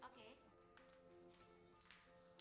pras kok bisa tau